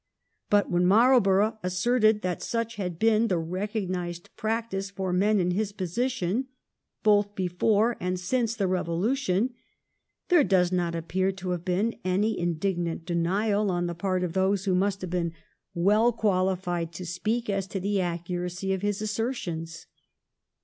But when Marlborough asserted that such had been the recognised practice for men in his position, both before and since the Eevolution, there does not appear to have been any indignant denial on the part of those who must have been well 1712 THE DOOM OF MARLBOEOUGH. 119 qualified to speak as to the accuracy of his assertions.